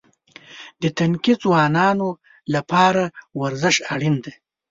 د تنکي ځوانانو لپاره ورزش اړین دی.